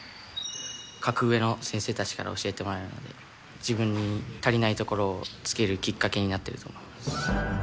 格上の先生たちから教えてもらえるので、自分に足りないところをつけるきっかけになっていると思います。